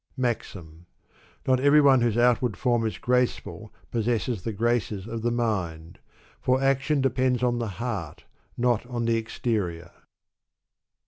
MAXIM. Not every one whose outward form is graceful pos sesses the graces of the mind ; for action depends on the heart, not on the exterior.